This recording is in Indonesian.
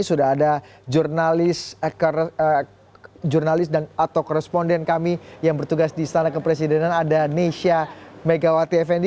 sudah ada jurnalis atau koresponden kami yang bertugas di istana kepresidenan ada nesya megawati fnd